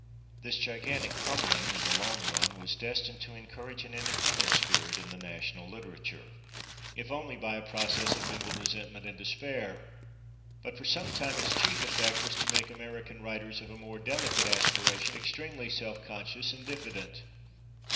This gigantic pummelling, in the long run, was destined to encourage an independent spirit in the national literature, if [Pg069] only by a process of mingled resentment and despair, but for some time its chief effect was to make American writers of a more delicate aspiration extremely self conscious and diffident.